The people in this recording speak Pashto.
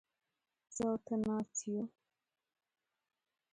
زه او ته ناست يوو.